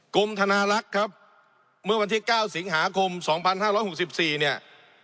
กรมธนาลักษณ์ครับเมื่อวันที่เก้าสิงหาคมสองพันห้าร้อยหกสิบสี่เนี่ย